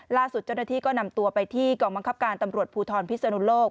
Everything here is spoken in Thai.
ล่าสุดเจ้าหน้าที่ก็นำตัวไปที่กองบังคับการตำรวจภูทรพิศนุโลก